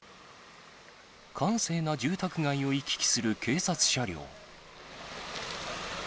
閑静な住宅街を行き来する警察車両。